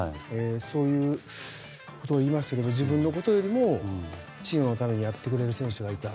そういうことを言いましたが自分のことよりもチームのためにやってくれる選手がいた。